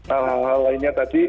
hal hal lainnya tadi